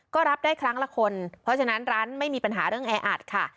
ก็รับได้ครั้งละคนเพราะฉะนั้นร้านไม่มีปัญหาเรื่องแออัดค่ะ